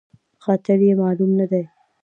قاتل یې معلوم نه دی